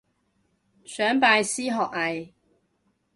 想拜師學藝